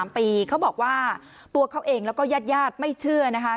๓ปีเขาบอกว่าตัวเขาเองแล้วก็ญาติไม่เชื่อนะคะ